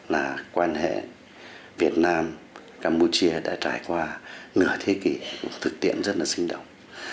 là quan hệ việt nam campuchia đã trải qua nửa thế kỷ một thực tiễn rất là sinh động